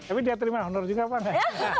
tapi dia terima honor juga pak nggak